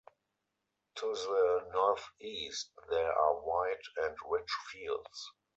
To the northeast there are wide and rich fields.